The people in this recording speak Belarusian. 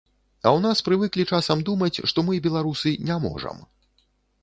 А ў нас прывыклі часам думаць, што мы, беларусы, не можам.